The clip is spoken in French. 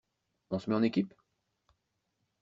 On se met en équipe?